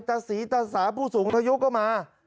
แต่สีแต่สาผู้สูงพยายามก็มา